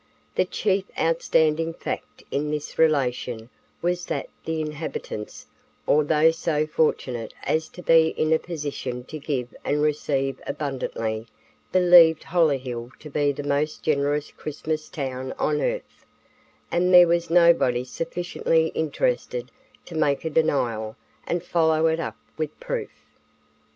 The chief outstanding fact in this relation was that the inhabitants, or those so fortunate as to be in a position to give and receive abundantly, believed Hollyhill to be the most generous Christmas town on earth, and there was nobody sufficiently interested to make a denial and follow it up with proof.